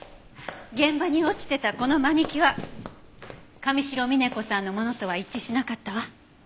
現場に落ちてたこのマニキュア神城峰子さんのものとは一致しなかったわ。